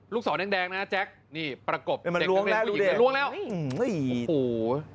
ลูกศรแดงนะครับแจ็คนี่ประกบเด็กนักเรียนผู้หญิงล้วงแล้ว